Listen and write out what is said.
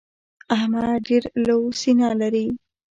احمد ډېره لو سينه لري.